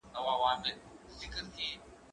زه به د کتابتون کتابونه لوستي وي!؟